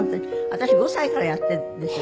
私５歳からやってるんですよ